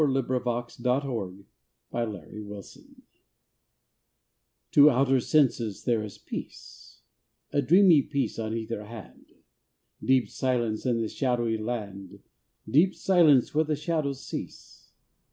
fi4S] II LA FUITE DE LA LUNE TO outer senses there is peace, A dreamy peace on either hand, Deep silence in the shadowy land, Deep silence where the shadows cease.